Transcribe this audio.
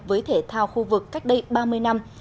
với thể thao khu vực cách đây ba mươi năm